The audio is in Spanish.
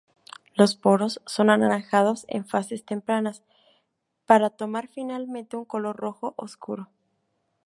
Los poros son anaranjados en fases tempranas para tomar finalmente un color rojo oscuro.